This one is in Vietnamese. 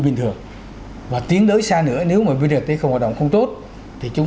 bình thường và tiến đối xa nữa nếu mà brt không hoạt động không tốt thì chúng